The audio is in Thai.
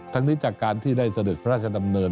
ทั้งนี้จากการที่ได้เสด็จพระราชดำเนิน